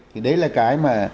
thì đấy là cái mà